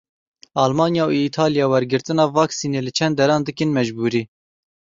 Almanya û Îtalya wergirtina vaksînê li çend deran dikin mecbûrî.